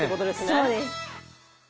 そうです。